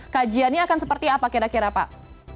kajiannya akan seperti apa kira kira pak